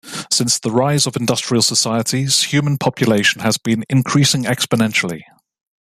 Since the rise of industrial societies, human population has been increasing exponentially.